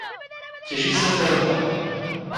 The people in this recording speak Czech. Těží se zde ropa.